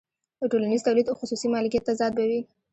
د ټولنیز تولید او خصوصي مالکیت تضاد به وي